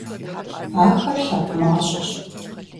Ахэр лъэпкъ мащӀэщ.